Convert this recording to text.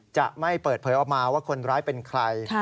จะไม่เปิดเผยออกมาว่าคนร้ายเป็นใคร